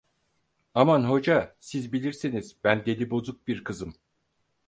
Aman Hoca, siz bilirsiniz, ben delibozuk bir kızım.